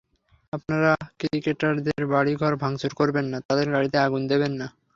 আপনারা ক্রিকেটারদের বাড়িঘর ভাঙচুর করবেন না, তাঁদের গাড়িতে আগুন দেবেন না।